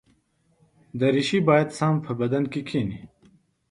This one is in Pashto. دریشي باید سم په بدن کې کېني.